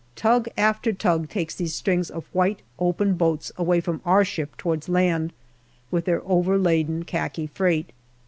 Tug after tug takes these strings of white open boats away from our ship towards land, with their overladen khaki freight.